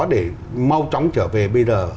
để mau chóng trở về bây giờ